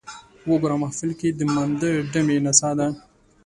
وګوره محفل کې د مانده ډمې نڅا ته